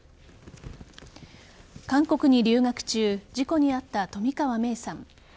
韓国に留学中事故に遭った冨川芽生さん。